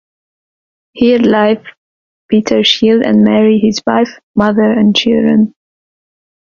Here lieth Peter Shield and Mary his wife, mother and children.